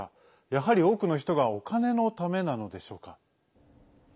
やはり多くの人がお金のためなのでしょうか？